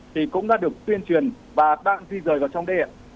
thì cũng đã được tuyên truyền và đang di rời vào trong đây ạ